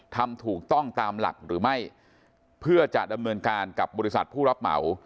ทำถูกต้องตามหลักหรือไม่เพื่อจะดำเนินการกับบริษัทผู้รับเหมา